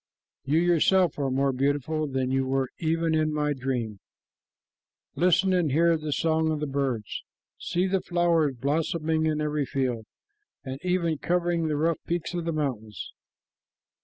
You yourself are more beautiful than you were even in my dream. Listen and hear the song of the birds. See the flowers blossoming in every field, and even covering the rough peaks of the mountains.